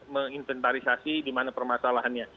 menginventarisasi dimana permasalahannya